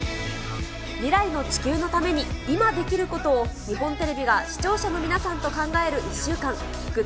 未来の地球のために今できることを日本テレビが視聴者の皆さんと考える１週間、ＧｏｏｄＦｏｒｔｈｅＰｌａｎｅｔ